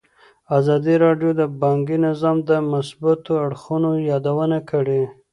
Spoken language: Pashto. ازادي راډیو د بانکي نظام د مثبتو اړخونو یادونه کړې.